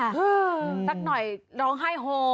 สักหน่อยร้องไห้โฮ